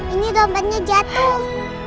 ini dompetnya jatuh